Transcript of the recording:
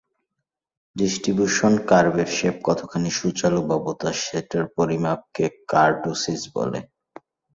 Distribution কার্ভের shape কতখানি সূচালো বা ভোতা সেতার পরিমাপকে কার্টোসিস বলে।